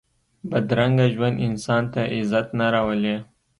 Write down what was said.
بدرنګه ژوند انسان ته عزت نه راولي